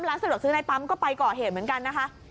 สะดวกซื้อในปั๊มก็ไปก่อเหตุเหมือนกันนะคะ